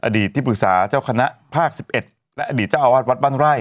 อดีตที่ปรึกษาเจ้าคณะภาคสิบเอ็ดและอดีตเจ้าอาวัดวัดบั้นไล่